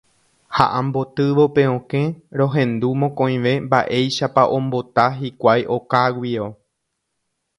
Ha ambotývo pe okẽ rohendu mokõive mba'éichapa ombota hikuái okáguio.